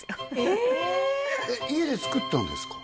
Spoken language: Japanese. えっ家で作ったんですか？